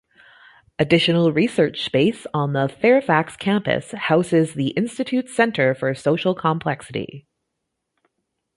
Additional research space on the Fairfax campus houses the Institute's Center for Social Complexity.